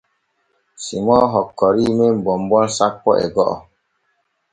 Simon hokkorii men bonbon sappo e go’o.